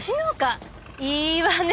いいわね。